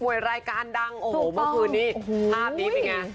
รายการดังโอ้โหเมื่อคืนนี้ภาพนี้เป็นไง